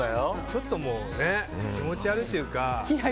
ちょっと気持ち悪いというか。